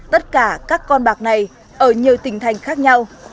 tất cả các con bạc này ở nhiều tỉnh thành khác nhau